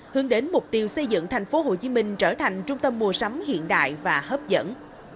hướng đến mục tiêu xây dựng thành phố hồ chí minh trở thành trung tâm mua sắm hiện đại và hấp dẫn